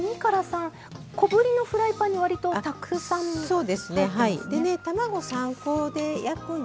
小ぶりのフライパンにわりとたくさん。